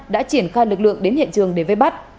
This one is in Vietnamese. đã triển khai lực lượng đến hiện trường để vây bắt